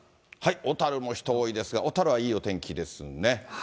小樽も人多いですが、小樽はいいお天気ですね。